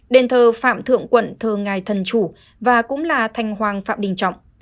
đền thờ phạm thượng quận thờ ngài thần chủ và cũng là thành hoàng phạm đình trọng